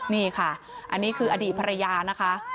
นี่ค่ะอันนี้คืออดีตภรรยานะคะ